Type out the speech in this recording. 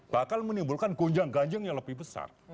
bakal menimbulkan gonjang ganjing yang lebih besar